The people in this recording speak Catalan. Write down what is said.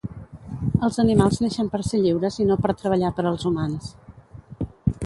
Els animals neixen per ser lliures i no per treballar per als humans